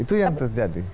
itu yang terjadi